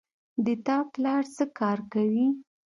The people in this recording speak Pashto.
د تا پلار څه کار کوی